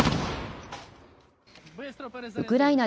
ウクライナ